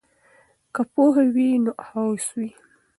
که پوهه وي نو هوس وي.